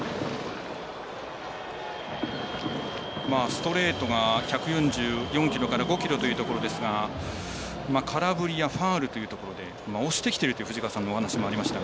ストレートが１４４キロから１４５キロというところですが空振りやファウルというところで押してきているという藤川さんのお話もありました。